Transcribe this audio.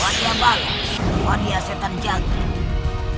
wadih balik wadih setan canggih